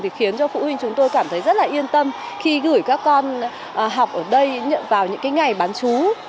thì khiến cho phụ huynh chúng tôi cảm thấy rất là yên tâm khi gửi các con học ở đây vào những ngày bán chú